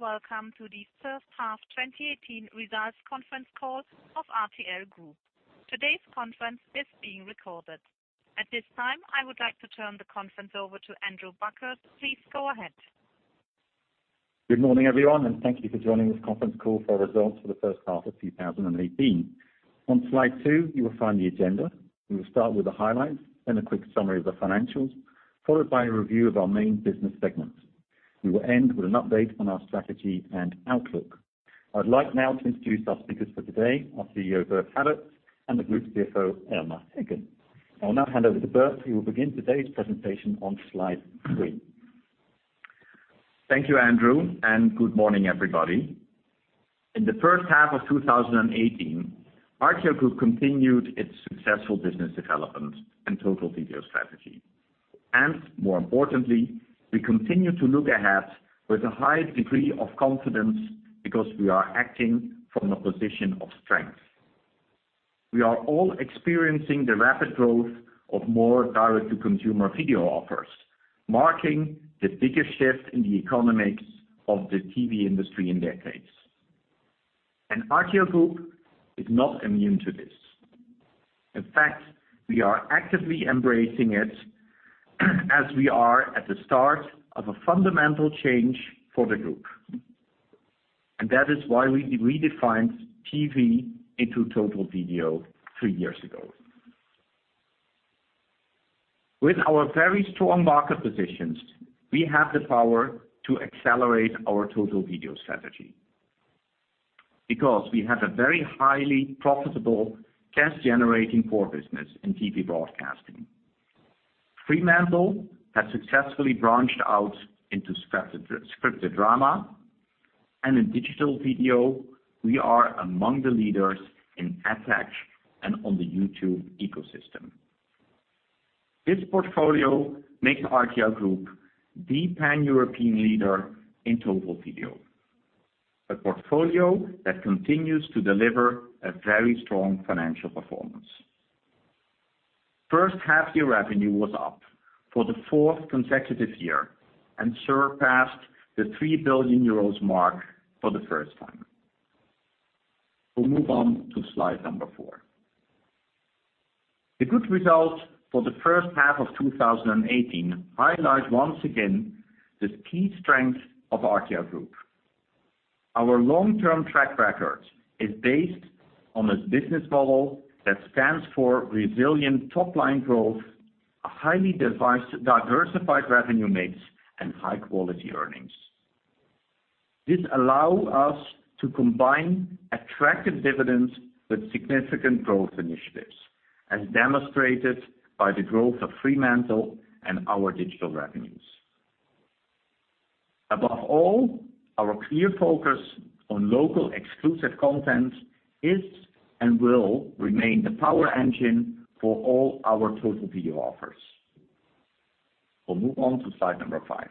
Welcome to the first half 2018 results conference call of RTL Group. Today's conference is being recorded. At this time, I would like to turn the conference over to Andrew Buckler. Please go ahead. Good morning, everyone. Thank you for joining this conference call for our results for the first half of 2018. On slide two, you will find the agenda. We will start with the highlights and a quick summary of the financials, followed by a review of our main business segments. We will end with an update on our strategy and outlook. I'd like now to introduce our speakers for today, our CEO, Bert Habets, and the Group CFO, Elmar Heggen. I will now hand over to Bert, who will begin today's presentation on slide three. Thank you, Andrew. Good morning, everybody. In the first half of 2018, RTL Group continued its successful business development and Total Video strategy. More importantly, we continue to look ahead with a high degree of confidence because we are acting from a position of strength. We are all experiencing the rapid growth of more direct-to-consumer video offers, marking the biggest shift in the economics of the TV industry in decades. RTL Group is not immune to this. In fact, we are actively embracing it as we are at the start of a fundamental change for the group. That is why we redefined TV into Total Video three years ago. With our very strong market positions, we have the power to accelerate our Total Video strategy. Because we have a very highly profitable cash-generating core business in TV broadcasting. Fremantle has successfully branched out into scripted drama, and in digital video, we are among the leaders in [FX] and on the YouTube ecosystem. This portfolio makes RTL Group the Pan-European leader in Total Video. A portfolio that continues to deliver a very strong financial performance. First half year revenue was up for the fourth consecutive year and surpassed the 3 billion euros mark for the first time. We'll move on to slide number four. The good results for the first half of 2018 highlight once again the key strength of RTL Group. Our long-term track record is based on a business model that stands for resilient top-line growth, a highly diversified revenue mix, and high-quality earnings. This allow us to combine attractive dividends with significant growth initiatives, as demonstrated by the growth of Fremantle and our digital revenues. Above all, our clear focus on local exclusive content is and will remain the power engine for all our Total Video offers. We'll move on to slide number five.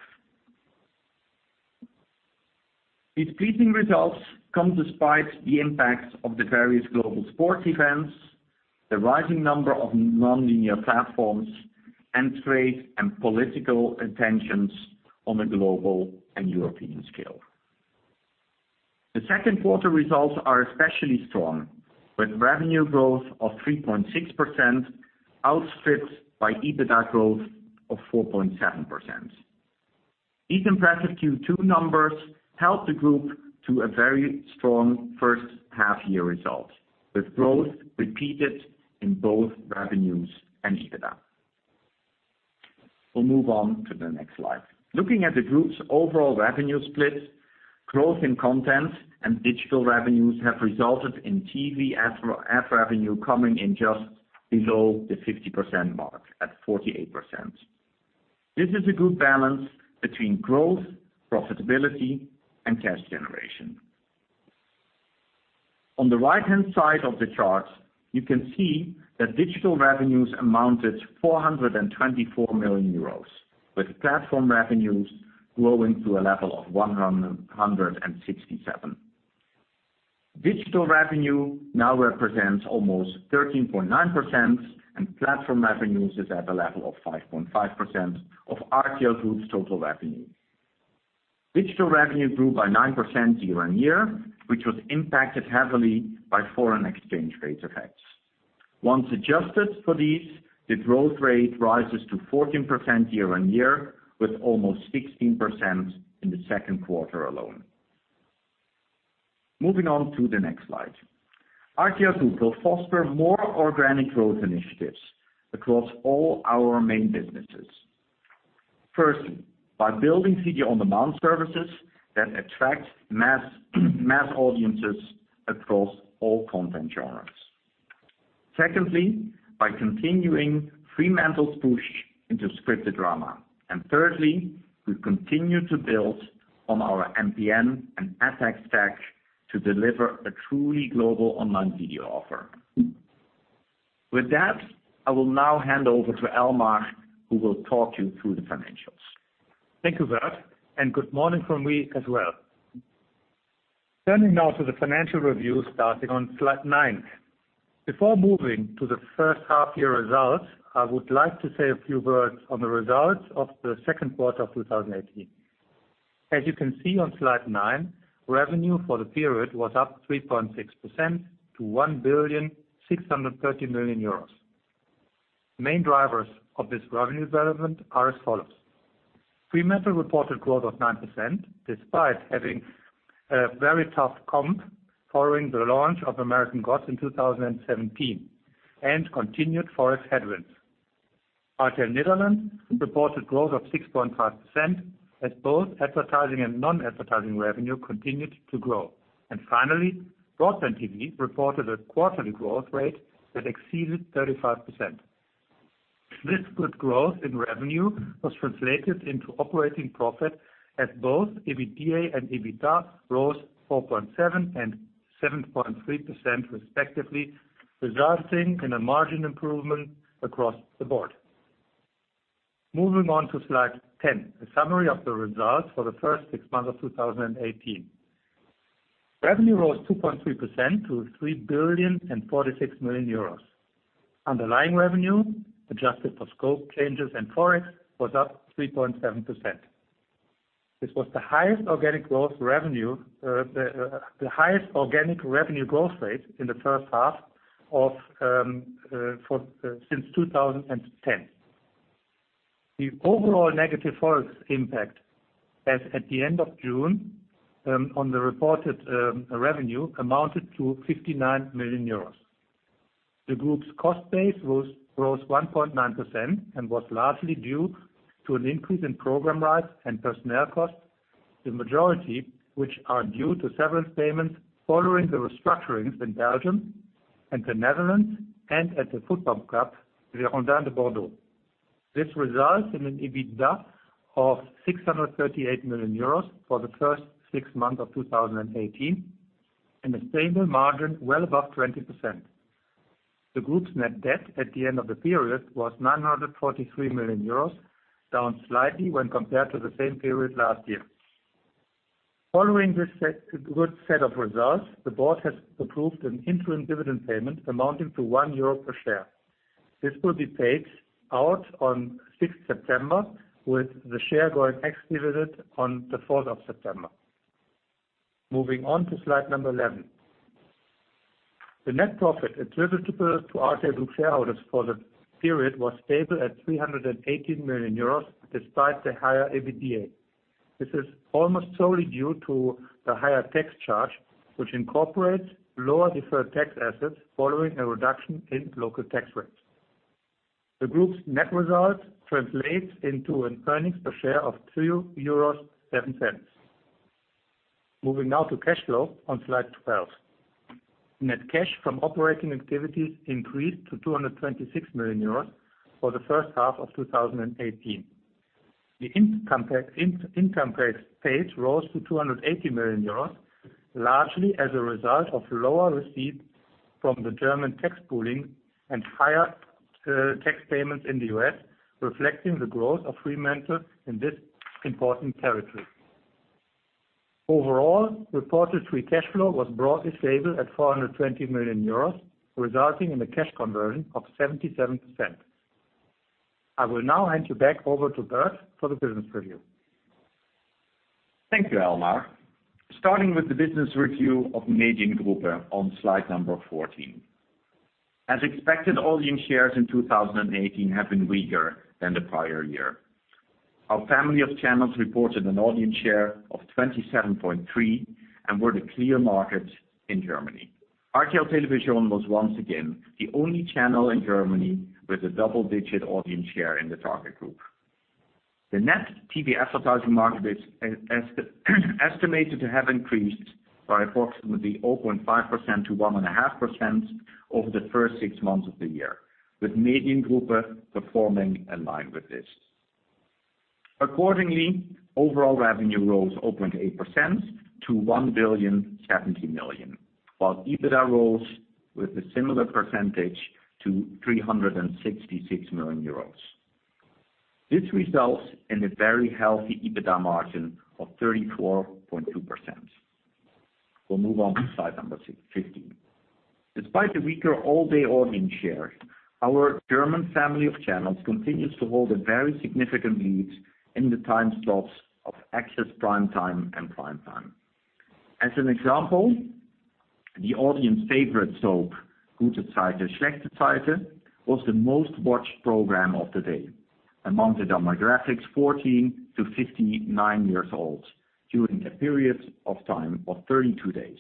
These pleasing results come despite the impact of the various global sports events, the rising number of non-linear platforms, and trade and political attentions on a global and European scale. The second quarter results are especially strong, with revenue growth of 3.6% outstripped by EBITDA growth of 4.7%. These impressive Q2 numbers help the group to a very strong first half year result, with growth repeated in both revenues and EBITDA. We'll move on to the next slide. Looking at the group's overall revenue split, growth in content and digital revenues have resulted in TV ad revenue coming in just below the 50% mark, at 48%. This is a good balance between growth, profitability, and cash generation. On the right-hand side of the chart, you can see that digital revenues amounted 424 million euros, with platform revenues growing to a level of 167. Digital revenue now represents almost 13.9%, and platform revenues is at a level of 5.5% of RTL Group's total revenue. Digital revenue grew by 9% year-on-year, which was impacted heavily by foreign exchange rate effects. Once adjusted for these, the growth rate rises to 14% year-on-year, with almost 16% in the second quarter alone. Moving on to the next slide. RTL Group will foster more organic growth initiatives across all our main businesses. Firstly, by building video-on-demand services that attract mass audiences across all content genres. Secondly, by continuing Fremantle's push into scripted drama. Thirdly, we continue to build on our MCN and FX tech to deliver a truly global online video offer. With that, I will now hand over to Elmar, who will talk you through the financials. Thank you, Bert. Good morning from me as well. Turning now to the financial review, starting on slide nine. Before moving to the first half year results, I would like to say a few words on the results of the second quarter of 2018. As you can see on slide nine, revenue for the period was up 3.6% to 1.63 billion. Main drivers of this revenue development are as follows. Fremantle reported growth of 9%, despite having a very tough comp following the launch of American Gods in 2017, and continued FOREX headwinds. RTL Nederland reported growth of 6.5%, as both advertising and non-advertising revenue continued to grow. Finally, BroadbandTV reported a quarterly growth rate that exceeded 35%. This good growth in revenue was translated into operating profit as both EBITDA and EBITA rose 4.7% and 7.3% respectively, resulting in a margin improvement across the board. Moving on to slide 10, a summary of the results for the first six months of 2018. Revenue rose 2.3% to 3.046 billion. Underlying revenue, adjusted for scope changes and FOREX, was up 3.7%. This was the highest organic revenue growth rate in the first half since 2010. The overall negative FOREX impact, as at the end of June, on the reported revenue amounted to 59 million euros. The group's cost base rose 1.9% and was largely due to an increase in program rights and personnel costs, the majority which are due to several payments following the restructurings in Belgium and the Netherlands, and at the football club, Girondins de Bordeaux. This results in an EBITDA of 638 million euros for the first six months of 2018, and a stable margin well above 20%. The group's net debt at the end of the period was 943 million euros, down slightly when compared to the same period last year. Following this good set of results, the board has approved an interim dividend payment amounting to 1 euro per share. This will be paid out on 6th September, with the share going ex-dividend on the 4th of September. Moving on to slide 11. The net profit attributable to RTL Group shareholders for the period was stable at 318 million euros, despite the higher EBITDA. This is almost solely due to the higher tax charge, which incorporates lower deferred tax assets following a reduction in local tax rates. The group's net result translates into an earnings per share of 2.07 euros. Moving now to cash flow on slide 12. Net cash from operating activities increased to 226 million euros for the first half of 2018. The income tax paid rose to 280 million euros, largely as a result of lower receipts from the German tax pooling and higher tax payments in the U.S., reflecting the growth of Fremantle in this important territory. Overall, reported free cash flow was broadly stable at 420 million euros, resulting in a cash conversion of 77%. I will now hand you back over to Bert for the business review. Thank you, Elmar. Starting with the business review of Mediengruppe on slide number 14. As expected, audience shares in 2018 have been weaker than the prior year. Our family of channels reported an audience share of 27.3% and were the clear market in Germany. RTL Television was once again the only channel in Germany with a double-digit audience share in the target group. The net TV advertising market is estimated to have increased by approximately 0.5%-1.5% over the first six months of the year, with Mediengruppe performing in line with this. Accordingly, overall revenue rose 0.8% to 1,070 million, while EBITDA rose with a similar percentage to 366 million euros. This results in a very healthy EBITDA margin of 34.2%. We'll move on to slide number 15. Despite the weaker all-day audience share, our German family of channels continues to hold a very significant lead in the time slots of access prime time and prime time. As an example, the audience favorite soap, "Gute Zeiten, schlechte Zeiten," was the most watched program of the day. Among the demographics 14 to 59 years old during a period of time of 32 days.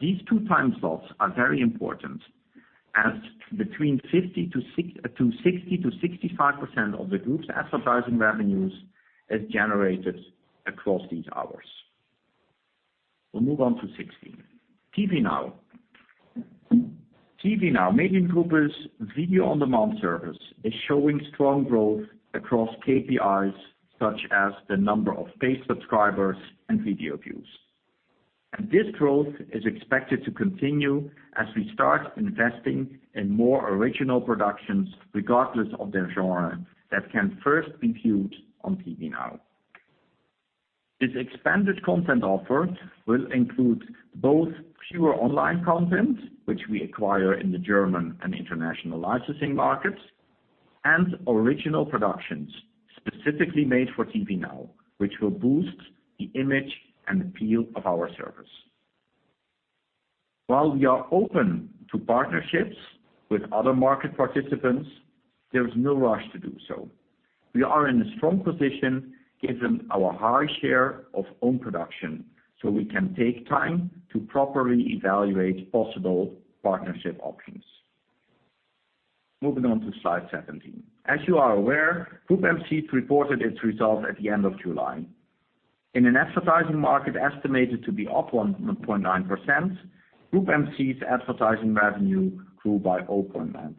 These two time slots are very important, as between 50% to 60% to 65% of the group's advertising revenues is generated across these hours. We'll move on to 16. TVNOW. TVNOW, Mediengruppe's video-on-demand service, is showing strong growth across KPIs such as the number of paid subscribers and video views. This growth is expected to continue as we start investing in more original productions, regardless of their genre, that can first be viewed on TVNOW. This expanded content offer will include both pure online content, which we acquire in the German and international licensing markets, and original productions specifically made for TVNOW, which will boost the image and appeal of our service. While we are open to partnerships with other market participants, there's no rush to do so. We are in a strong position given our high share of own production, so we can take time to properly evaluate possible partnership options. Moving on to slide 17. As you are aware, Groupe M6 reported its results at the end of July. In an advertising market estimated to be up 1.9%, Groupe M6's advertising revenue grew by 0.9%.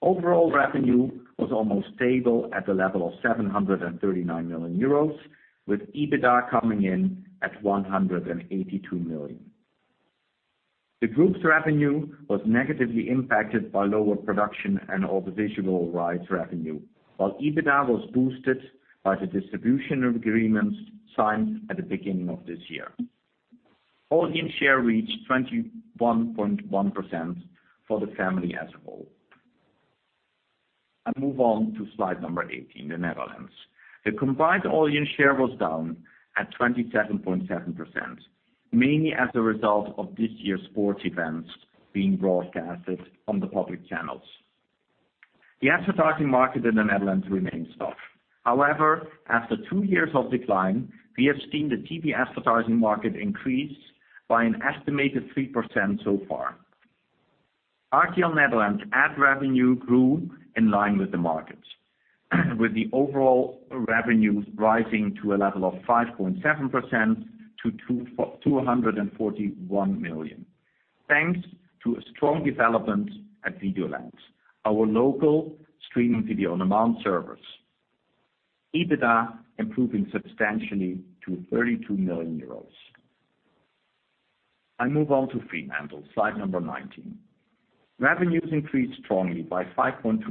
Overall revenue was almost stable at the level of 739 million euros, with EBITDA coming in at 182 million. The group's revenue was negatively impacted by lower production and audiovisual rights revenue, while EBITDA was boosted by the distribution agreements signed at the beginning of this year. Audience share reached 21.1% for the family as a whole. I move on to slide number 18, the Netherlands. The combined audience share was down at 27.7%, mainly as a result of this year's sports events being broadcasted on the public channels. The advertising market in the Netherlands remains tough. However, after two years of decline, we have seen the TV advertising market increase by an estimated 3% so far. RTL Nederland ad revenue grew in line with the market, with the overall revenues rising to a level of 5.7% to 241 million. Thanks to a strong development at Videoland, our local streaming video-on-demand service. EBITDA improving substantially to 32 million euros. I move on to Fremantle, slide number 19. Revenues increased strongly by 5.2%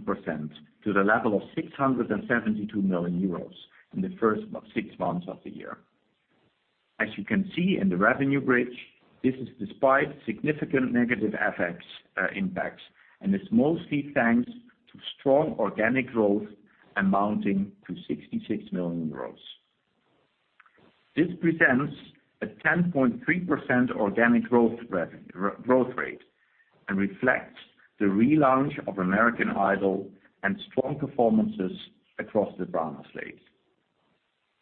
to the level of 672 million euros in the first six months of the year. As you can see in the revenue bridge, this is despite significant negative FX impacts, It's mostly thanks to strong organic growth amounting to 66 million euros. This presents a 10.3% organic growth rate. It reflects the relaunch of American Idol and strong performances across the drama slate.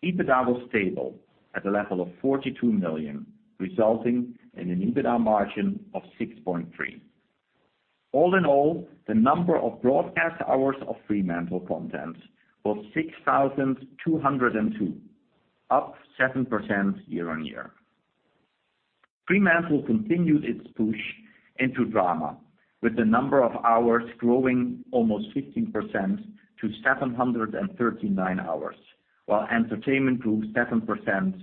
EBITDA was stable at a level of 42 million, resulting in an EBITDA margin of 6.3%. All in all, the number of broadcast hours of Fremantle content was 6,202, up 7% year-over-year. Fremantle continued its push into drama with the number of hours growing almost 15% to 739 hours, while entertainment grew 7%,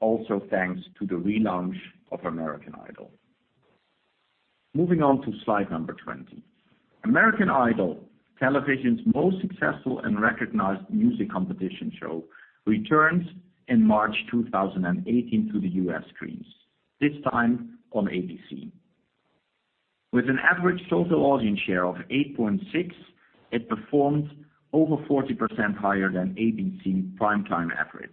also thanks to the relaunch of American Idol. Moving on to slide number 20. American Idol, television's most successful and recognized music competition show, returns in March 2018 to the U.S. screens, this time on ABC. With an average total audience share of 8.6%, it performed over 40% higher than ABC primetime average.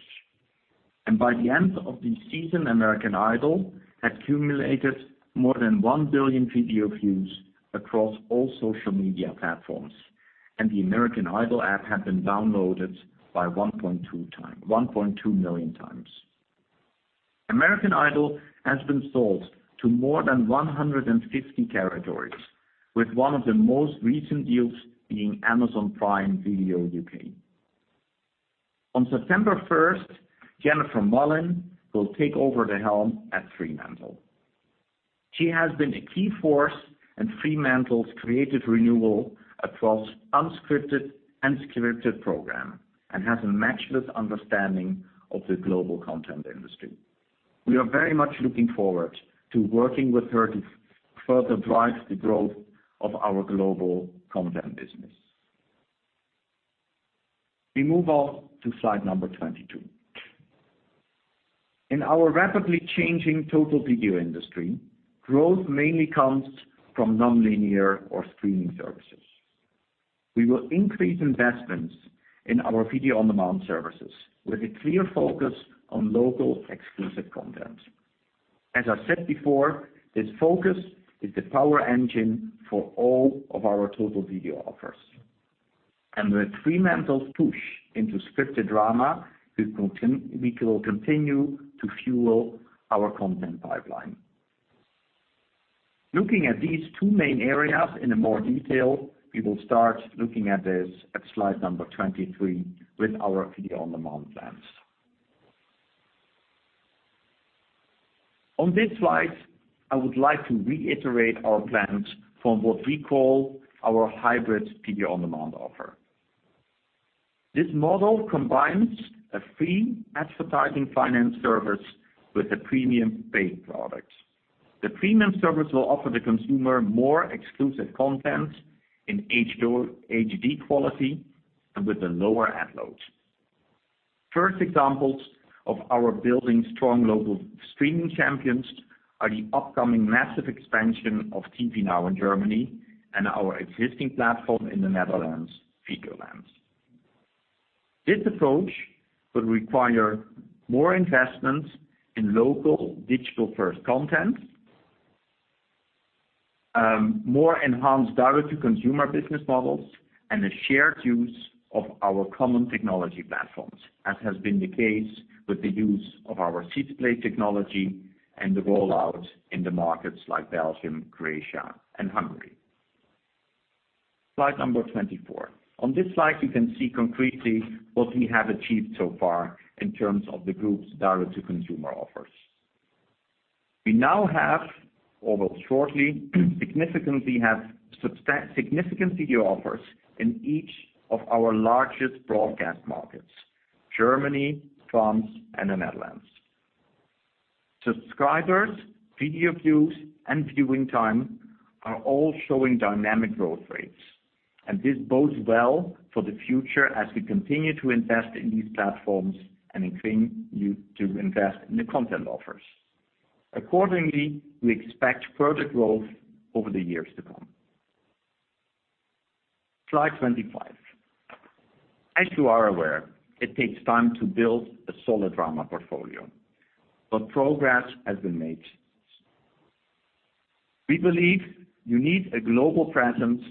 By the end of the season, American Idol had accumulated more than 1 billion video views across all social media platforms. The American Idol app had been downloaded by 1.2 million times. American Idol has been sold to more than 150 territories, with one of the most recent deals being Amazon Prime Video UK. On September 1st, Jennifer Mullin will take over the helm at Fremantle. She has been a key force in Fremantle's creative renewal across unscripted and scripted program, She has a matchless understanding of the global content industry. We are very much looking forward to working with her to further drive the growth of our global content business. We move on to slide number 22. In our rapidly changing Total Video industry, growth mainly comes from nonlinear or streaming services. We will increase investments in our video-on-demand services with a clear focus on local exclusive content. As I said before, this focus is the power engine for all of our Total Video offers. With Fremantle's push into scripted drama, we will continue to fuel our content pipeline. Looking at these two main areas in more detail, we will start looking at this at slide number 23 with our video-on-demand plans. On this slide, I would like to reiterate our plans for what we call our hybrid video-on-demand offer. This model combines a free advertising finance service with a premium paid product. The premium service will offer the consumer more exclusive content in HD quality and with a lower ad load. First examples of our building strong local streaming champions are the upcoming massive expansion of TVNOW in Germany and our existing platform in the Netherlands, Videoland. This approach will require more investments in local digital-first content, more enhanced direct-to-consumer business models, and the shared use of our common technology platforms, as has been the case with the use of our [6play] technology and the rollout in the markets like Belgium, Croatia, and Hungary. Slide number 24. On this slide, you can see concretely what we have achieved so far in terms of the group's direct-to-consumer offers. We now have, or will shortly, significant video offers in each of our largest broadcast markets: Germany, France, and the Netherlands. Subscribers, video views, and viewing time are all showing dynamic growth rates. This bodes well for the future as we continue to invest in these platforms and continue to invest in the content offers. Accordingly, we expect further growth over the years to come. Slide 25. As you are aware, it takes time to build a solid drama portfolio. Progress has been made. We believe you need a global presence,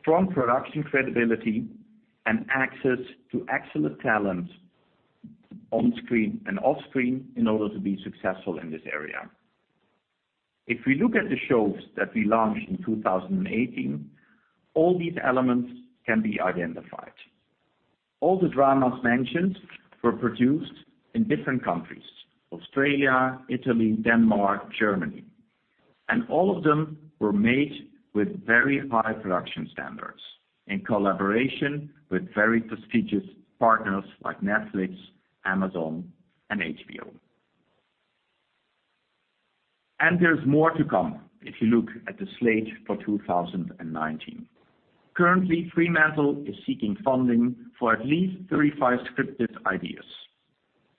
strong production credibility, and access to excellent talent on screen and off screen in order to be successful in this area. If we look at the shows that we launched in 2018, all these elements can be identified. All the dramas mentioned were produced in different countries, Australia, Italy, Denmark, Germany, and all of them were made with very high production standards in collaboration with very prestigious partners like Netflix, Amazon, and HBO. There's more to come if you look at the slate for 2019. Currently, Fremantle is seeking funding for at least 35 scripted ideas.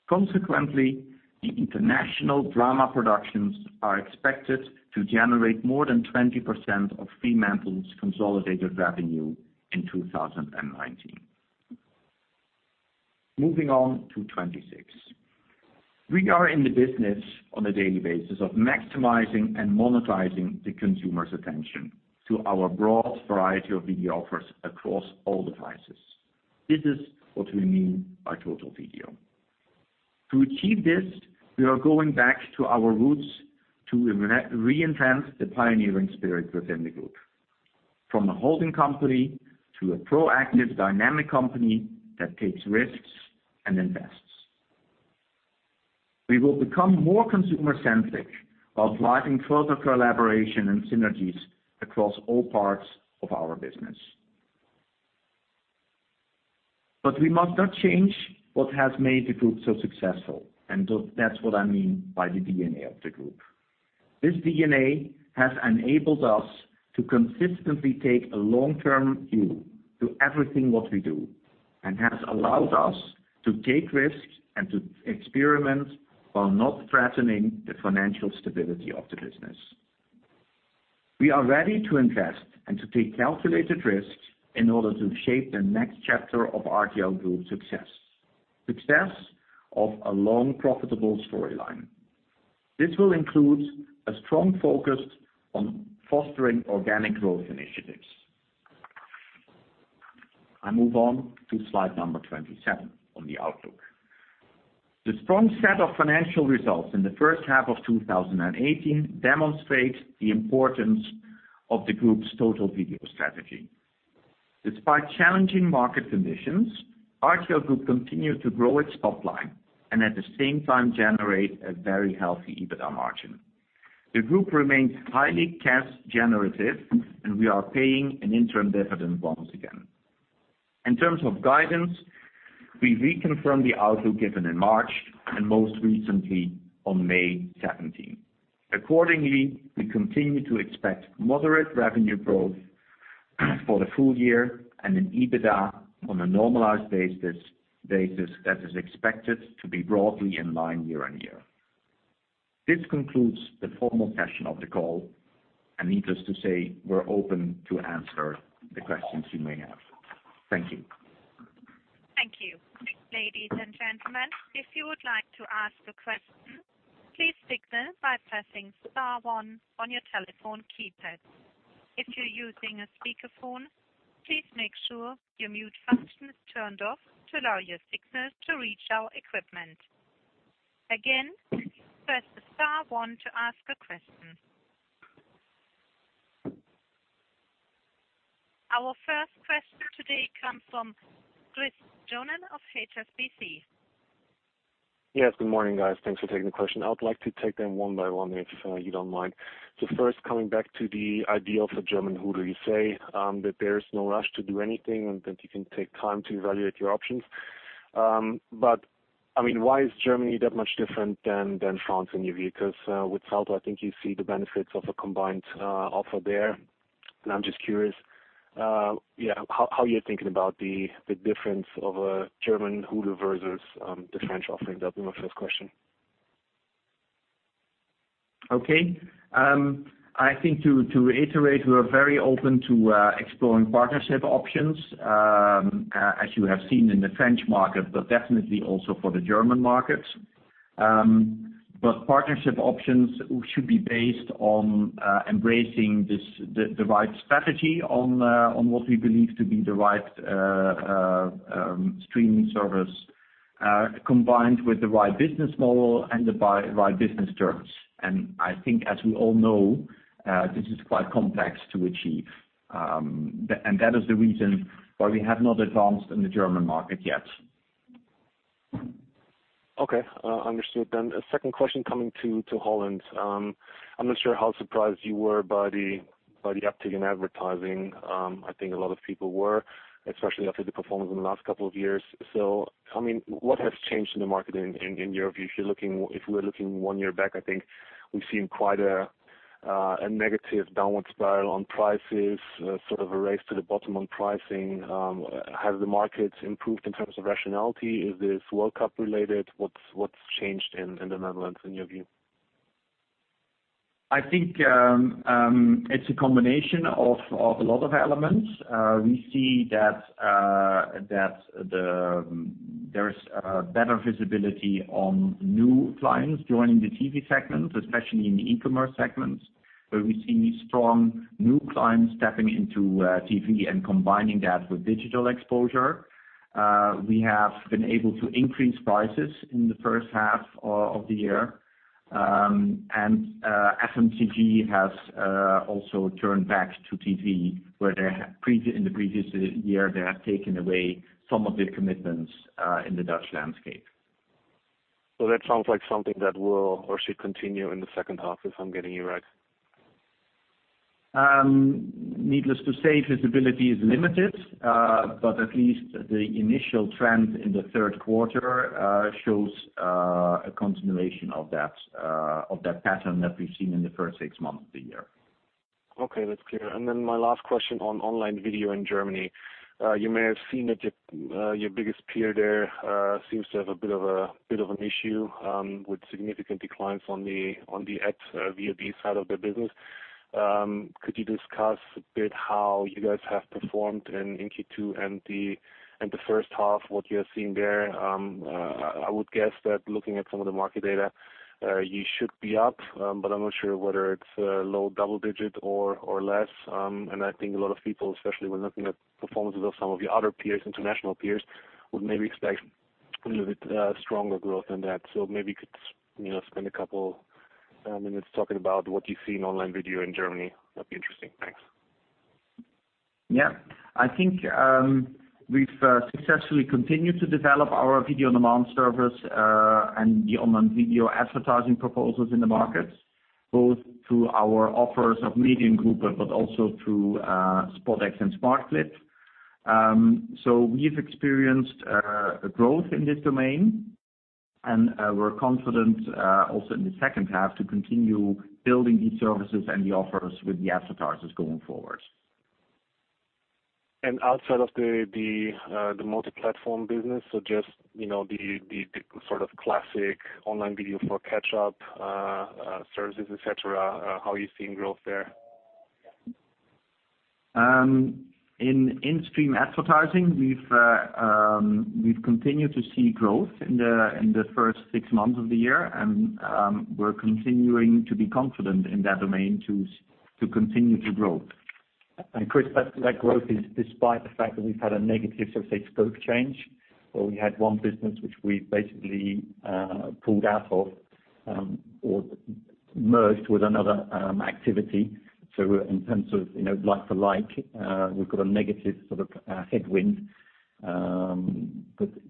Consequently, the international drama productions are expected to generate more than 20% of Fremantle's consolidated revenue in 2019. Moving on to 26. We are in the business on a daily basis of maximizing and monetizing the consumer's attention to our broad variety of video offers across all devices. This is what we mean by Total Video. To achieve this, we are going back to our roots to re-enhance the pioneering spirit within the group, from a holding company to a proactive, dynamic company that takes risks and invests. We will become more consumer-centric while driving further collaboration and synergies across all parts of our business. We must not change what has made the group so successful, and that's what I mean by the DNA of the group. This DNA has enabled us to consistently take a long-term view to everything what we do and has allowed us to take risks and to experiment while not threatening the financial stability of the business. We are ready to invest and to take calculated risks in order to shape the next chapter of RTL Group's success of a long, profitable storyline. This will include a strong focus on fostering organic growth initiatives. I move on to slide number 27 on the outlook. The strong set of financial results in the first half of 2018 demonstrates the importance of the group's Total Video strategy. Despite challenging market conditions, RTL Group continued to grow its top line and at the same time generate a very healthy EBITDA margin. The group remains highly cash generative. We are paying an interim dividend once again. In terms of guidance, we reconfirm the outlook given in March and most recently on May 17. Accordingly, we continue to expect moderate revenue growth for the full year and an EBITDA on a normalized basis that is expected to be broadly in line year-on-year. This concludes the formal session of the call. Needless to say, we're open to answer the questions you may have. Thank you. Thank you. Ladies and gentlemen, if you would like to ask a question, please signal by pressing star one on your telephone keypad. If you're using a speakerphone, please make sure your mute function is turned off to allow your signals to reach our equipment. Again, press the star one to ask a question. Our first question today comes from Christopher Johnen of HSBC. Yes. Good morning, guys. Thanks for taking the question. I would like to take them one by one, if you don't mind. First, coming back to the idea of a German Hulu, you say that there is no rush to do anything, and that you can take time to evaluate your options. Why is Germany that much different than France in your view? Because with Salto, I think you see the benefits of a combined offer there. I'm just curious, how you're thinking about the difference of a German Hulu versus the French offering? That'll be my first question. Okay. I think to reiterate, we're very open to exploring partnership options, as you have seen in the French market, definitely also for the German market. Partnership options should be based on embracing the right strategy on what we believe to be the right streaming service, combined with the right business model and the right business terms. I think as we all know, this is quite complex to achieve. That is the reason why we have not advanced in the German market yet. Okay. Understood. A second question coming to Holland. I'm not sure how surprised you were by the uptick in advertising. I think a lot of people were, especially after the performance in the last couple of years. What has changed in the market in your view? If we're looking one year back, I think we've seen quite a negative downward spiral on prices, a sort of a race to the bottom on pricing. Has the market improved in terms of rationality? Is this World Cup related? What's changed in the Netherlands in your view? I think it's a combination of a lot of elements. We see that there is better visibility on new clients joining the TV segment, especially in the e-commerce segment, where we see strong new clients stepping into TV and combining that with digital exposure. We have been able to increase prices in the first half of the year. FMCG has also turned back to TV, where in the previous year, they have taken away some of their commitments in the Dutch landscape. That sounds like something that will or should continue in the second half, if I'm getting you right. Needless to say, visibility is limited. At least the initial trend in the third quarter shows a continuation of that pattern that we've seen in the first six months of the year. Okay, that's clear. My last question on online video in Germany. You may have seen that your biggest peer there seems to have a bit of an issue with significant declines on the AVOD side of their business. Could you discuss a bit how you guys have performed in Q2 and the first half, what you are seeing there? I would guess that looking at some of the market data, you should be up, but I'm not sure whether it's low double-digit or less. I think a lot of people, especially when looking at performances of some of your other peers, international peers, would maybe expect a little bit stronger growth than that. Maybe you could spend a couple minutes talking about what you see in online video in Germany. That'd be interesting. Thanks. Yeah. I think we've successfully continued to develop our video-on-demand service, and the online video advertising proposals in the market, both through our offers of Mediengruppe, but also through SpotX and Smartclip. We've experienced growth in this domain, and we're confident, also in the second half, to continue building these services and the offers with the advertisers going forward. Outside of the multi-platform business, so just the sort of classic online video for catch up services, et cetera, how are you seeing growth there? In in-stream advertising, we've continued to see growth in the first six months of the year, and we're continuing to be confident in that domain to continue to grow. Chris, that growth is despite the fact that we've had a negative, so to say, scope change, where we had one business which we basically pulled out of or merged with another activity. In terms of like for like, we've got a negative sort of headwind.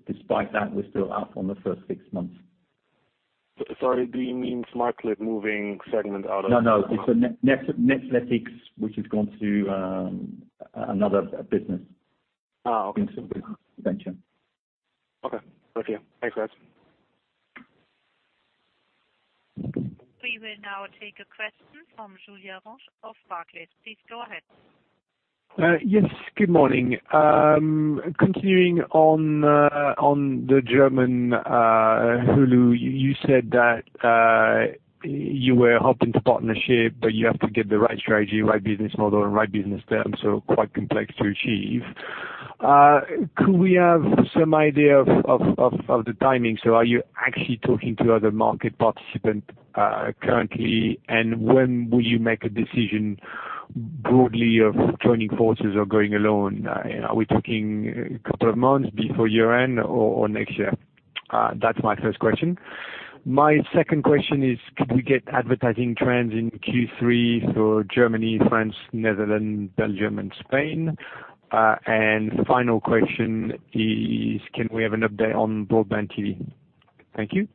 Despite that, we're still up on the first six months. Sorry, do you mean Smartclip moving segment out of No. It's Netflix which has gone to another business. Oh, okay. Venture. Okay. Thank you. Thanks, guys. We will now take a question from Julien Roch of Barclays. Please go ahead. Yes, good morning. Continuing on the German Hulu, you said that you were hoping to partnership, but you have to get the right strategy, right business model, and right business terms, quite complex to achieve. Could we have some idea of the timing? Are you actually talking to other market participants currently, and when will you make a decision broadly of joining forces or going alone? Are we talking a couple of months before year-end or next year? That's my first question. My second question is, could we get advertising trends in Q3 for Germany, France, Netherlands, Belgium, and Spain? Final question is, can we have an update on BroadbandTV? Thank you.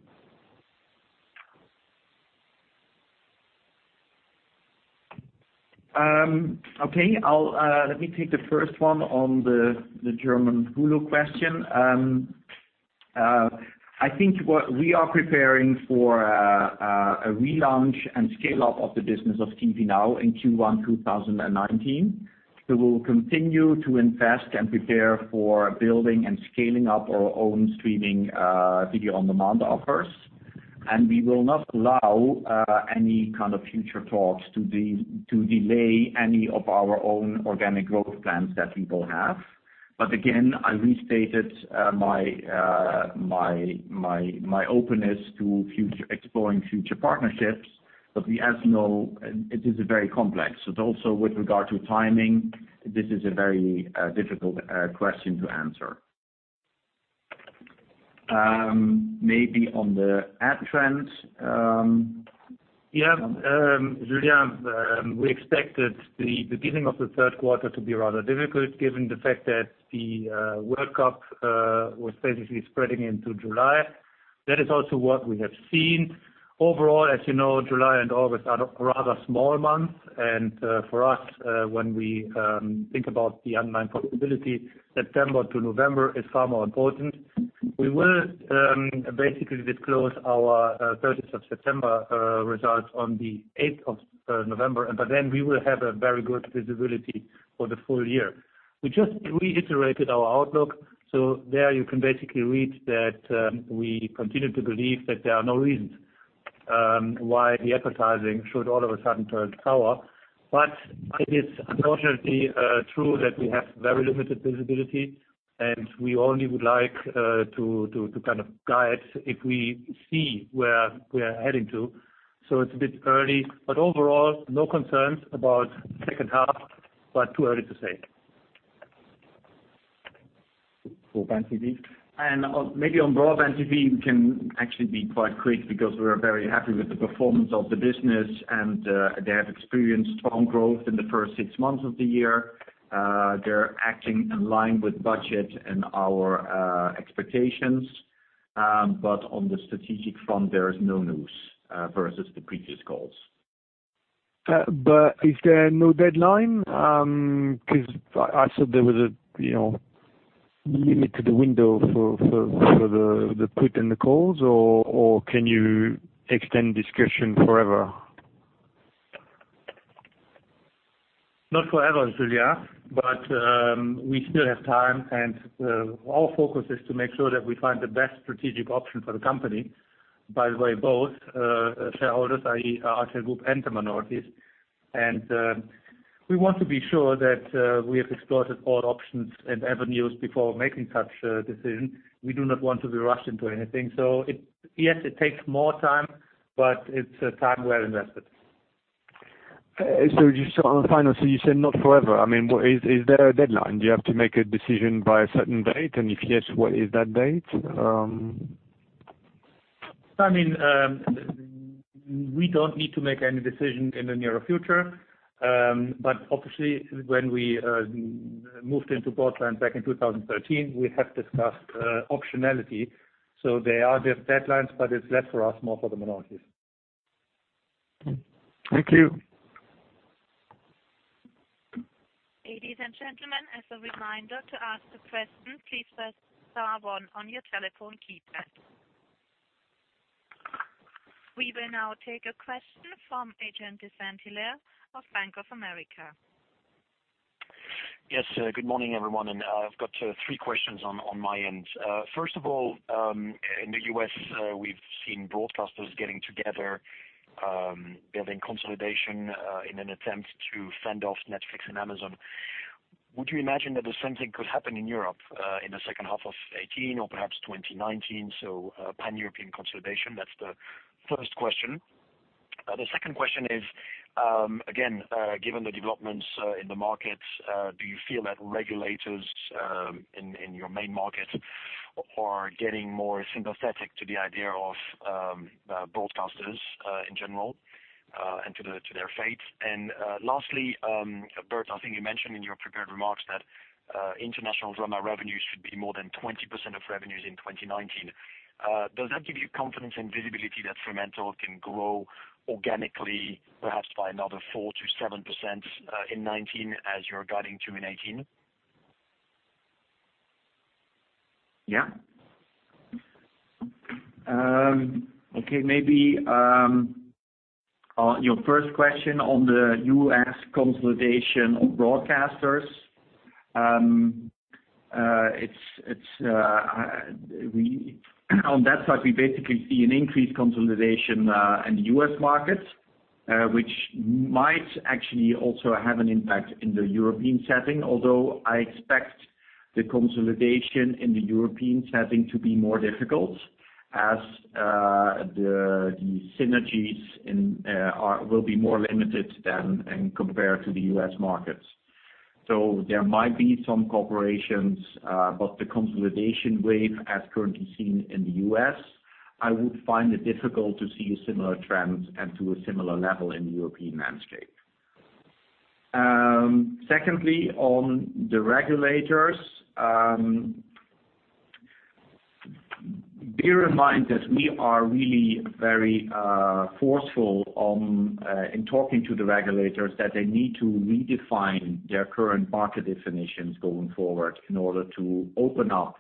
Okay. Let me take the first one on the German Hulu question. I think what we are preparing for a relaunch and scale up of the business of TVNOW in Q1 2019. We'll continue to invest and prepare for building and scaling up our own streaming video-on-demand offers. We will not allow any kind of future talks to delay any of our own organic growth plans that we will have. Again, I restated my openness to exploring future partnerships. We, as you know, it is very complex. Also with regard to timing, this is a very difficult question to answer. Maybe on the ad trends. Yeah, Julien, we expected the beginning of the third quarter to be rather difficult given the fact that the World Cup was basically spreading into July. That is also what we have seen. Overall, as you know, July and August are rather small months. For us, when we think about the online profitability, September to November is far more important. We will basically disclose our 30th of September results on the 8th of November. By then, we will have a very good visibility for the full year. We just reiterated our outlook. There you can basically read that we continue to believe that there are no reasons why the advertising should all of a sudden turn sour. It is unfortunately true that we have very limited visibility, and we only would like to guide if we see where we're heading to. It's a bit early, but overall, no concerns about second half, but too early to say. BroadbandTV. Maybe on BroadbandTV, we can actually be quite quick because we're very happy with the performance of the business, and they have experienced strong growth in the first 6 months of the year. They're acting in line with budget and our expectations. On the strategic front, there is no news versus the previous calls. Is there no deadline? Because I thought there was a limit to the window for the put and the calls, or can you extend discussion forever? Not forever, Julien, but we still have time, and our focus is to make sure that we find the best strategic option for the company. By the way, both shareholders, i.e. RTL Group and the minorities. We want to be sure that we have exhausted all options and avenues before making such a decision. We do not want to be rushed into anything. Yes, it takes more time, but it's time well invested. Just on final, you said not forever. Is there a deadline? Do you have to make a decision by a certain date? If yes, what is that date? We don't need to make any decision in the near future. Obviously when we moved into broadband back in 2013, we have discussed optionality. There are deadlines, but it's less for us, more for the minorities. Thank you. Ladies and gentlemen, as a reminder, to ask the question, please press star one on your telephone keypad. We will now take a question from Adrien de Saint Hilaire of Bank of America. Yes, good morning, everyone. I've got three questions on my end. First of all, in the U.S. we've seen broadcasters getting together, building consolidation in an attempt to fend off Netflix and Amazon. Would you imagine that the same thing could happen in Europe in the second half of 2018 or perhaps 2019? Pan-European consolidation, that's the first question. The second question is, again, given the developments in the markets, do you feel that regulators in your main markets are getting more sympathetic to the idea of broadcasters in general and to their fate? Lastly, Bert, I think you mentioned in your prepared remarks that international drama revenues should be more than 20% of revenues in 2019. Does that give you confidence and visibility that Fremantle can grow organically, perhaps by another 4%-7% in 2019 as you're guiding to in 2018? Maybe on your first question on the U.S. consolidation of broadcasters. On that side, we basically see an increased consolidation in the U.S. market, which might actually also have an impact in the European setting. Although I expect the consolidation in the European setting to be more difficult as the synergies will be more limited than in compared to the U.S. market. There might be some cooperations, but the consolidation wave as currently seen in the U.S., I would find it difficult to see similar trends and to a similar level in the European landscape. Secondly, on the regulators, bear in mind that we are really very forceful in talking to the regulators that they need to redefine their current market definitions going forward in order to open up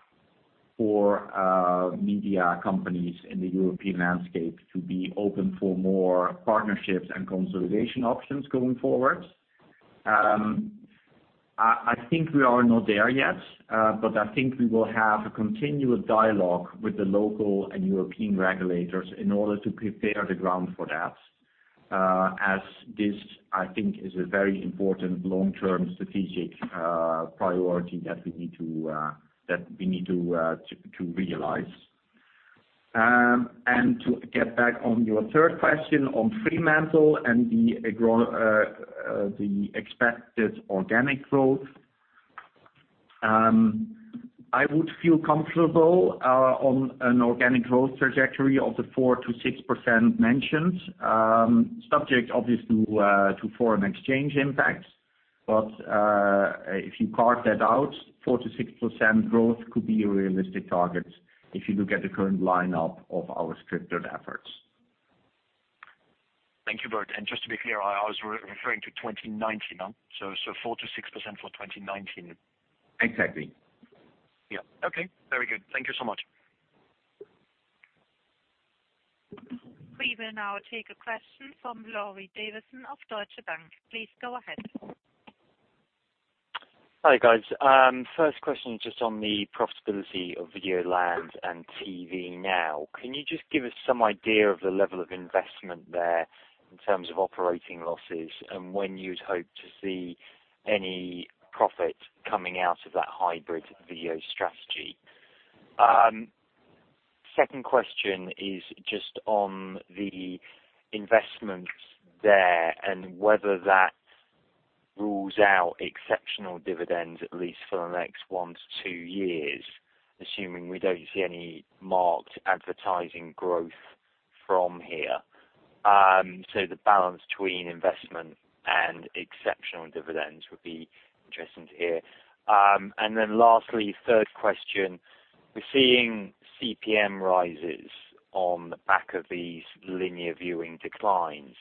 for media companies in the European landscape to be open for more partnerships and consolidation options going forward. I think we are not there yet, but I think we will have a continuous dialogue with the local and European regulators in order to prepare the ground for that, as this, I think, is a very important long-term strategic priority that we need to realize. To get back on your third question on Fremantle and the expected organic growth. I would feel comfortable on an organic growth trajectory of the 4%-6% mentioned, subject obviously to foreign exchange impacts. If you carve that out, 4%-6% growth could be a realistic target if you look at the current lineup of our scripted efforts. Thank you, Bert. Just to be clear, I was referring to 2019. 4%-6% for 2019. Exactly. Yeah. Okay. Very good. Thank you so much. We will now take a question from Laurie Davison of Deutsche Bank. Please go ahead. Hi, guys. First question, just on the profitability of Videoland and TVNOW. Can you just give us some idea of the level of investment there in terms of operating losses and when you'd hope to see any profit coming out of that hybrid video strategy? Second question is just on the investments there and whether that rules out exceptional dividends, at least for the next one to two years, assuming we don't see any marked advertising growth from here. The balance between investment and exceptional dividends would be interesting to hear. Lastly, third question. We're seeing CPM rises on the back of these linear viewing declines.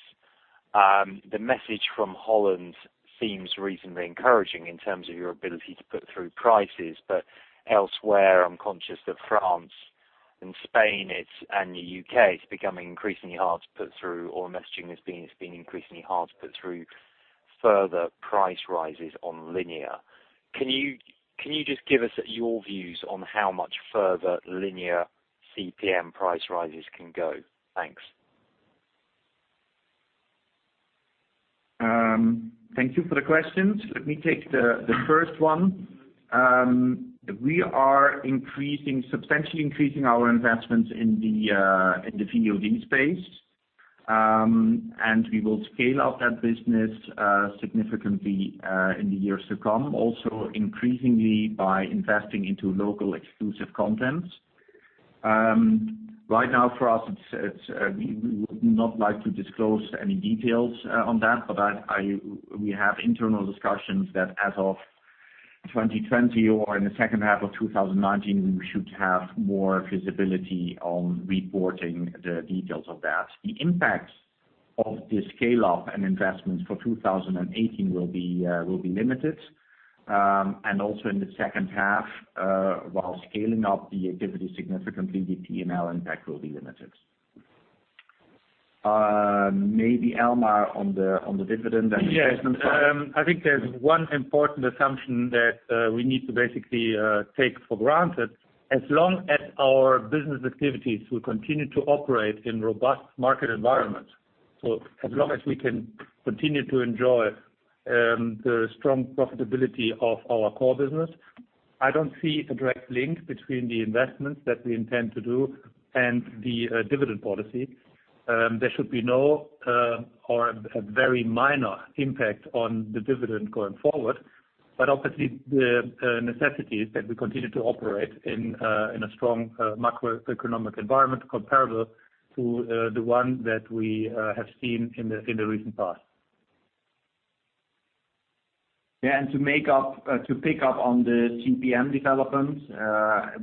The message from Holland seems reasonably encouraging in terms of your ability to put through prices. Elsewhere, I'm conscious that France and Spain and the U.K., it's becoming increasingly hard to put through, or messaging has been it's been increasingly hard to put through further price rises on linear. Can you just give us your views on how much further linear CPM price rises can go? Thanks. Thank you for the questions. Let me take the first one. We are substantially increasing our investments in the VOD space. We will scale up that business significantly in the years to come, also increasingly by investing into local exclusive content. Right now for us, we would not like to disclose any details on that, we have internal discussions that as of 2020 or in the second half of 2019, we should have more visibility on reporting the details of that. The impact of the scale up and investments for 2018 will be limited. Also in the second half, while scaling up the activity significantly, the P&L impact will be limited. Maybe Elmar on the dividend and investment side. Yes. I think there's one important assumption that we need to basically take for granted. As long as our business activities will continue to operate in robust market environment, as long as we can continue to enjoy the strong profitability of our core business, I don't see a direct link between the investments that we intend to do and the dividend policy. There should be no or a very minor impact on the dividend going forward, obviously the necessity is that we continue to operate in a strong macroeconomic environment comparable to the one that we have seen in the recent past. Yeah, to pick up on the CPM development,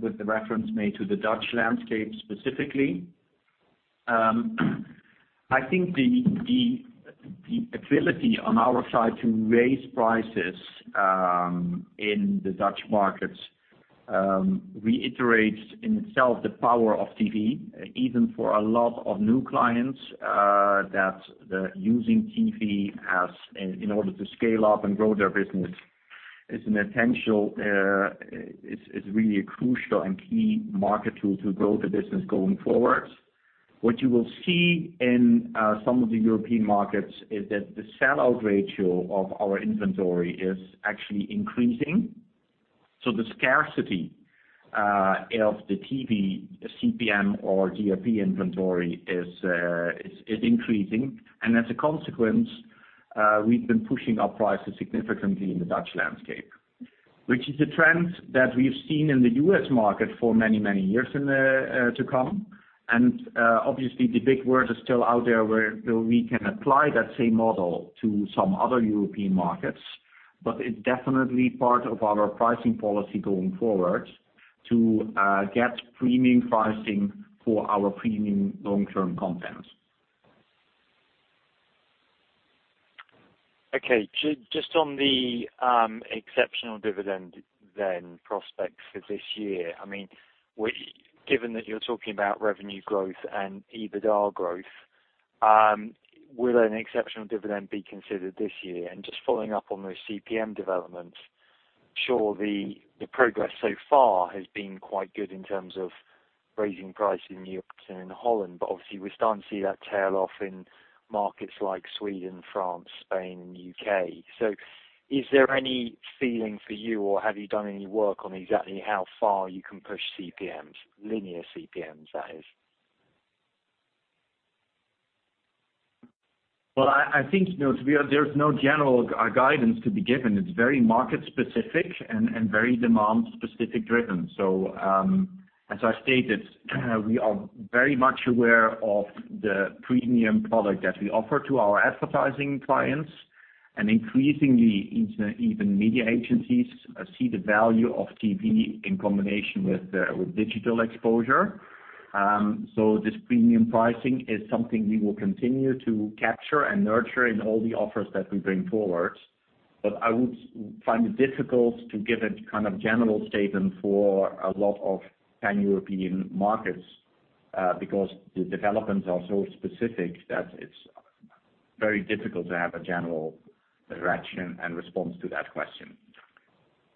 with the reference made to the Dutch landscape specifically. I think the ability on our side to raise prices in the Dutch markets reiterates in itself the power of TV, even for a lot of new clients, that using TV in order to scale up and grow their business is really a crucial and key market tool to grow the business going forward. What you will see in some of the European markets is that the sell-out ratio of our inventory is actually increasing. The scarcity of the TV CPM or GRP inventory is increasing. As a consequence, we've been pushing our prices significantly in the Dutch landscape, which is a trend that we've seen in the U.S. market for many, many years to come. Obviously the big word is still out there where we can apply that same model to some other European markets. It's definitely part of our pricing policy going forward to get premium pricing for our premium long-term content. Just on the exceptional dividend, prospects for this year, given that you're talking about revenue growth and EBITDA growth, will an exceptional dividend be considered this year? Just following up on those CPM developments, sure the progress so far has been quite good in terms of raising price in Europe and in Holland. Obviously we're starting to see that tail off in markets like Sweden, France, Spain, and U.K. Is there any feeling for you or have you done any work on exactly how far you can push CPMs? Linear CPMs, that is. Well, I think there's no general guidance to be given. It's very market specific and very demand specific driven. As I stated, we are very much aware of the premium product that we offer to our advertising clients, and increasingly, even media agencies see the value of TV in combination with digital exposure. This premium pricing is something we will continue to capture and nurture in all the offers that we bring forward. I would find it difficult to give a general statement for a lot of 10 European markets, because the developments are so specific that it's very difficult to have a general direction and response to that question.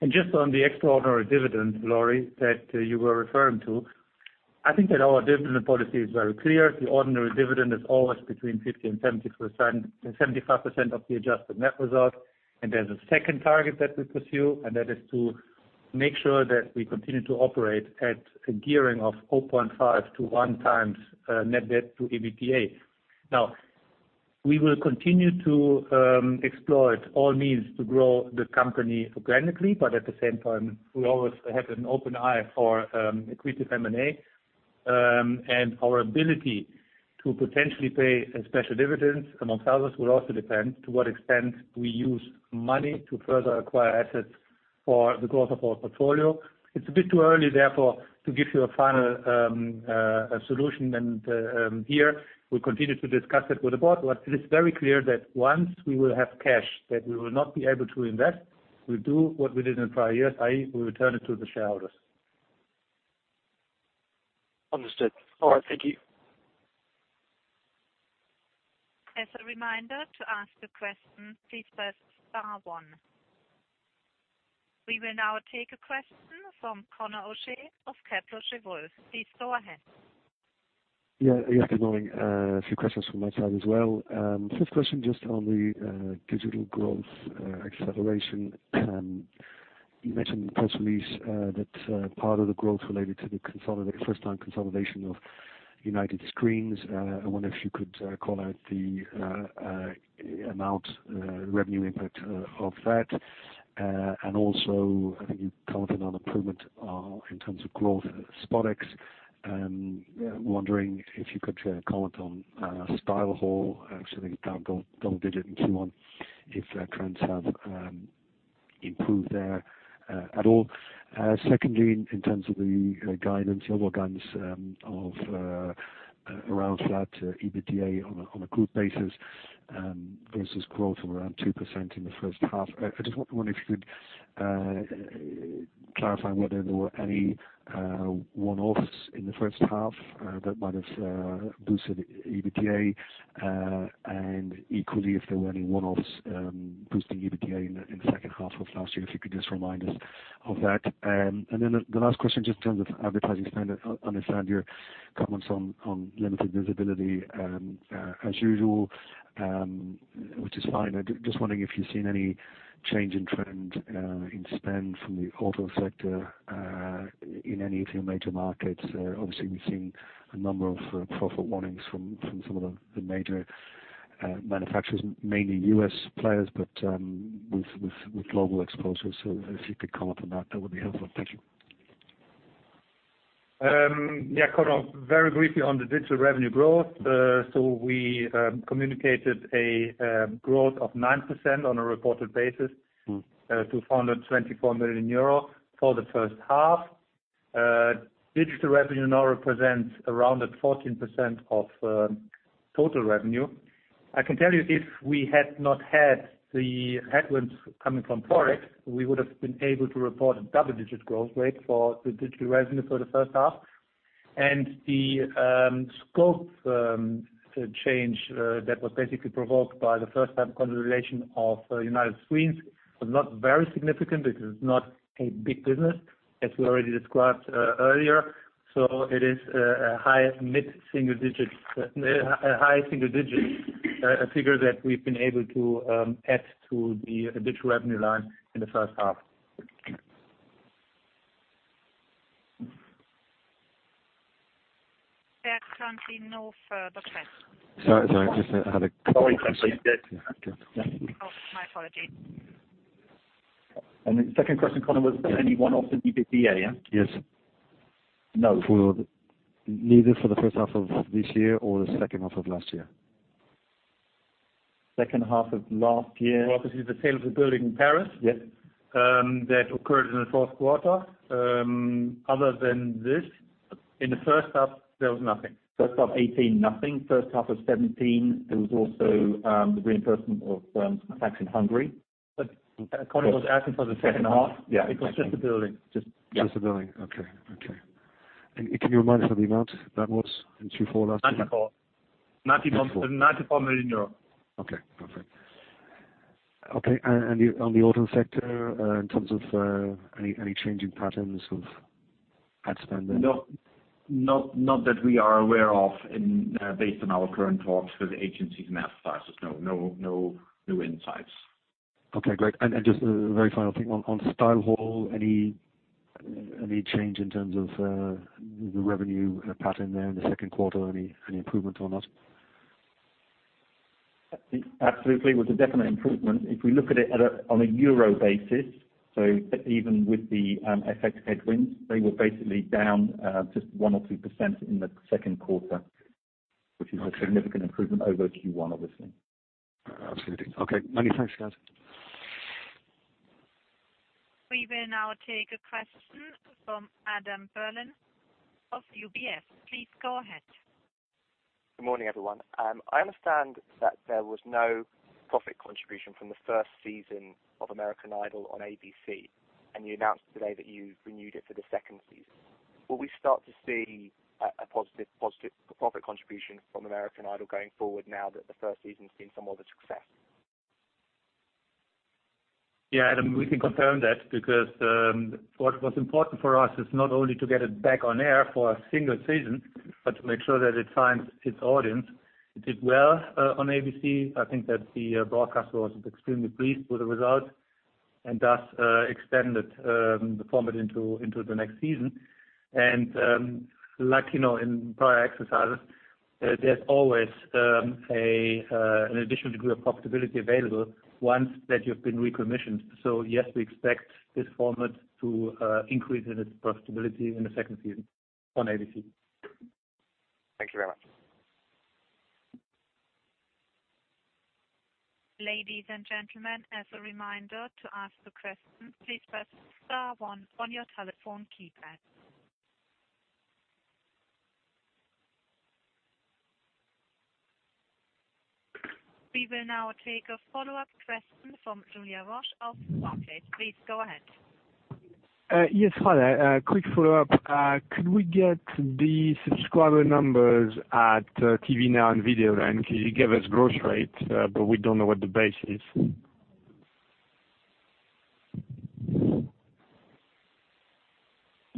Just on the extraordinary dividend, Laurie, that you were referring to, I think that our dividend policy is very clear. The ordinary dividend is always between 50% and 75% of the adjusted net result. There's a second target that we pursue, and that is to make sure that we continue to operate at a gearing of 0.5 to one times net debt to EBITDA. Now, we will continue to explore all means to grow the company organically, at the same time, we always have an open eye for accretive M&A. Our ability to potentially pay a special dividend amongst others will also depend to what extent we use money to further acquire assets for the growth of our portfolio. It's a bit too early, therefore, to give you a final solution, and here we continue to discuss it with the board. It is very clear that once we will have cash that we will not be able to invest, we'll do what we did in prior years, i.e., we return it to the shareholders. Understood. All right. Thank you. As a reminder, to ask a question, please press star one. We will now take a question from Conor O'Shea of Kepler Cheuvreux. Please go ahead. Yeah, good morning. A few questions from my side as well. First question, just on the digital growth acceleration. You mentioned in the press release that part of the growth related to the first time consolidation of United Screens. I wonder if you could call out the amount revenue impact of that. Also, I think you commented on improvement in terms of growth at SpotX. Yeah. Wondering if you could comment on StyleHaul actually hit double-digit in Q1, if trends have improved there at all. Secondly, in terms of the guidance, your guidance of around flat EBITDA on a group basis versus growth of around 2% in the first half. I just wonder if you could clarify whether there were any one-offs in the first half that might have boosted EBITDA, and equally if there were any one-offs boosting EBITDA in the second half of last year. If you could just remind us of that. Then the last question, just in terms of advertising spend. I understand your comments on limited visibility as usual, which is fine. I'm just wondering if you've seen any change in trend in spend from the auto sector in any of your major markets. Obviously, we've seen a number of profit warnings from some of the major manufacturers, mainly U.S. players, but with global exposure. If you could comment on that would be helpful. Thank you. Conor, very briefly on the digital revenue growth. We communicated a growth of 9% on a reported basis to 424 million euro for the first half. Digital revenue now represents around 14% of total revenue. I can tell you if we had not had the headwinds coming from FOREX, we would have been able to report a double-digit growth rate for the digital revenue for the first half. The scope change that was basically provoked by the first time consolidation of United Screens was not very significant. This is not a big business. As we already described earlier, it is a high single-digit figure that we've been able to add to the digital revenue line in the first half. There are currently no further questions. Sorry. Just had a quick question. Oh, my apologies. The second question, Conor, was any one-off in EBITDA, yeah? Yes. No. Neither for the first half of this year or the second half of last year? Second half of last year. Well, obviously the sale of the building in Paris. Yes. That occurred in the fourth quarter. Other than this, in the first half, there was nothing. First half 2018, nothing. First half of 2017, there was also the reimbursement of some tax in Hungary. Conor was asking for the second half. Yeah. It was just the building. Just the building. Okay. Can you remind us of the amount that was in Q4 last year? EUR 94 million. Okay, perfect. On the auto sector, in terms of any changing patterns of ad spend there? Not that we are aware of based on our current talks with agencies and advertisers. No new insights. Okay, great. Just a very final thing. On StyleHaul, any change in terms of the revenue pattern there in the second quarter? Any improvement or not? Absolutely. It was a definite improvement. If we look at it on a EUR basis, even with the FX headwinds, they were basically down just 1% or 2% in the second quarter, which is a significant improvement over Q1, obviously. Absolutely. Okay. Many thanks, guys. We will now take a question from Adam Berlin of UBS. Please go ahead. Good morning, everyone. I understand that there was no profit contribution from the first season of "American Idol" on ABC, and you announced today that you've renewed it for the second season. Will we start to see a positive profit contribution from "American Idol" going forward now that the first season's been somewhat of a success? Yeah, Adam, we can confirm that because what was important for us is not only to get it back on air for a single season, but to make sure that it finds its audience. It did well on ABC. I think that the broadcaster was extremely pleased with the result and thus extended the format into the next season. Like you know, in prior exercises, there's always an additional degree of profitability available once that you've been recommissioned. Yes, we expect this format to increase in its profitability in the second season on ABC. Thank you very much. Ladies and gentlemen, as a reminder, to ask a question, please press star one on your telephone keypad. We will now take a follow-up question from Julien Roch of Barclays. Please go ahead. Yes. Hi there. A quick follow-up. Could we get the subscriber numbers at TVNOW and Videoland? You gave us growth rates, but we don't know what the base is.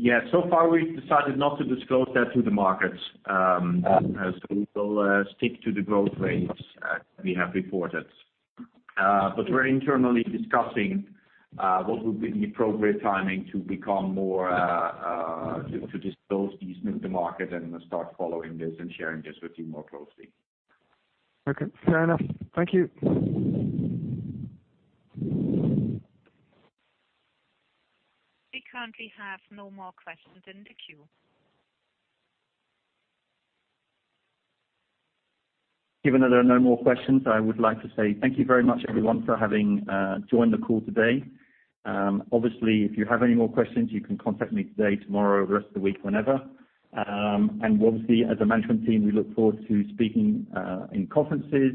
Yeah. So far, we've decided not to disclose that to the markets. We will stick to the growth rates we have reported. We're internally discussing what would be the appropriate timing to disclose these with the market and start following this and sharing this with you more closely. Okay. Fair enough. Thank you. We currently have no more questions in the queue. Given that there are no more questions, I would like to say thank you very much, everyone, for having joined the call today. Obviously, if you have any more questions, you can contact me today, tomorrow, over the rest of the week, whenever. Obviously, as a management team, we look forward to speaking in conferences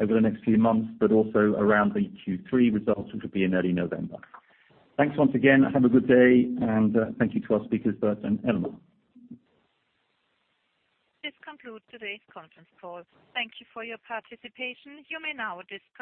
over the next few months, but also around the Q3 results, which will be in early November. Thanks once again. Have a good day, and thank you to our speakers, Bert and Elmar. This concludes today's conference call. Thank you for your participation. You may now disconnect.